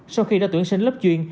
sau khi đã tuyển sinh lớp chuyên